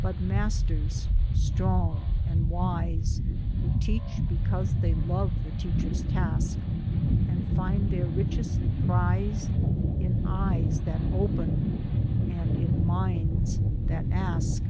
But masters, strong and wise, Who teach because they love the teacher's task, And find their richest prize In eyes that open and in minds that ask.